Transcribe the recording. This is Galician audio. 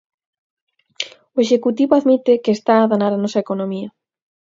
O executivo admite que está a danar a nosa economía.